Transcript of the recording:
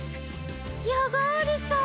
ヤガールさん！